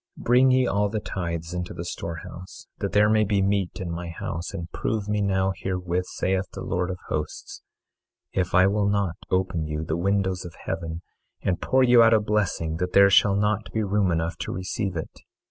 24:10 Bring ye all the tithes into the storehouse, that there may be meat in my house; and prove me now herewith, saith the Lord of Hosts, if I will not open you the windows of heaven, and pour you out a blessing that there shall not be room enough to receive it.